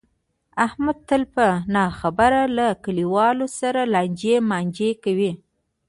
احمد تل په نه خبره له کلیواو سره لانجې مانجې کوي.